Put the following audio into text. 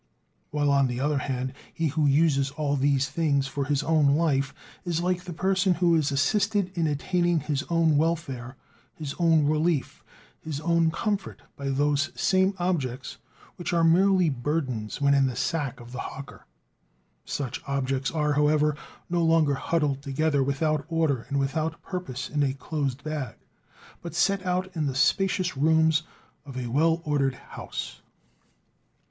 While, on the other hand, he who uses all these things for his own life, is like the person who is assisted in attaining his own welfare, his own relief, his own comfort by those same objects which are merely burdens when in the sack of the hawker. Such objects are, however, no longer huddled together without order and without purpose in a closed bag, but set out in the spacious rooms of a well ordered house.